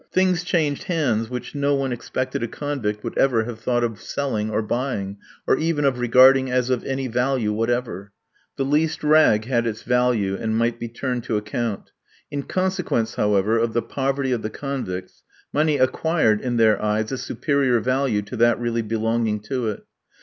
Things changed hands which no one expected a convict would ever have thought of selling or buying, or even of regarding as of any value whatever. The least rag had its value, and might be turned to account. In consequence, however, of the poverty of the convicts, money acquired in their eyes a superior value to that really belonging to it.